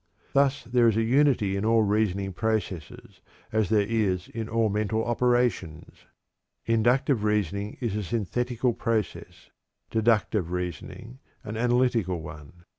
Thus there is a unity in all reasoning processes as there is in all mental operations. Inductive reasoning is a synthetical process; deductive reasoning, an analytical one.